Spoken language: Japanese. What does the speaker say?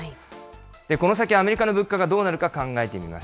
この先、アメリカの物価がどうなるか考えてみます。